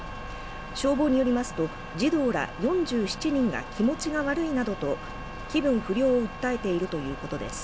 消防によりますと、児童ら４７人が気持ちが悪いなどと気分不良を訴えているということです。